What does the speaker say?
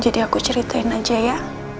jadi aku ceritain aja ya